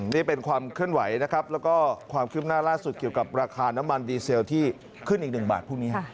นี่เป็นความเคลื่อนไหวนะครับแล้วก็ความคืบหน้าล่าสุดเกี่ยวกับราคาน้ำมันดีเซลที่ขึ้นอีก๑บาทพรุ่งนี้